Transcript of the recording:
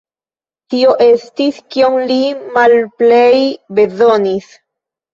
Tio estis, kion li malplej bezonis.